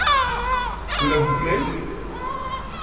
Cela vous plait ?